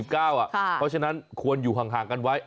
เพราะฉะนั้นควรอยู่ห่างกันไว้